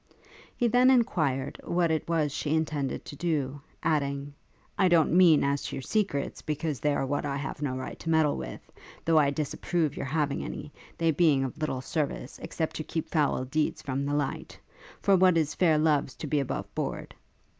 He then enquired what it was she intended to do; adding, 'I don't mean as to your secrets, because they are what I have no right to meddle with; though I disapprove your having any, they being of little service, except to keep foul deeds from the light; for what is fair loves to be above board.